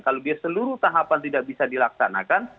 kalau dia seluruh tahapan tidak bisa dilaksanakan